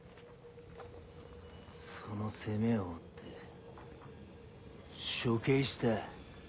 その責めを負って処刑した。